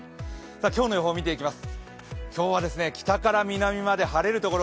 今日の予報見ていきます。